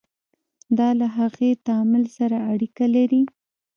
دا له هغې تعامل سره اړیکه لري.